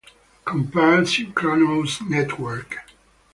Compare synchronous network.